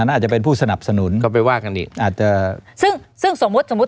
อันน่าจะเป็นผู้สนับสนุนก็ไปว่ากันดิอาจจะซึ่งซึ่งสมมุติ